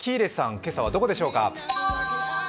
今朝はどこでしょうか？